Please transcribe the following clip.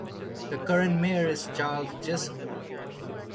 The current mayor is Charles Jessup.